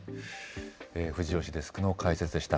藤吉デスクの解説でした。